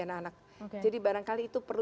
anak anak jadi barangkali itu perlu